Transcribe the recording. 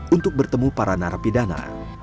untuk bertemu para narapidana